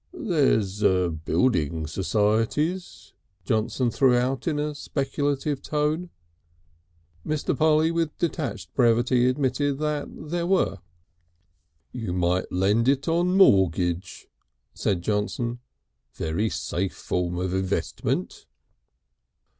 "There's building societies," Johnson threw out in a speculative tone. Mr. Polly, with detached brevity, admitted there were. "You might lend it on mortgage," said Johnson. "Very safe form of investment."